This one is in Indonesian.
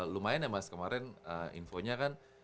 lumayan ya mas kemarin infonya kan